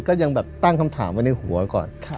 ก็ยังแบบตั้งคำถามไว้ในหัวก่อน